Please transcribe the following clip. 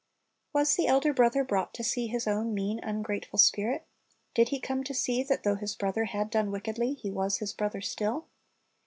Was the elder brother brought to see his own mean, ungrateful spirit? Did he come to see that though his brother had done wickedly, he was his brother still?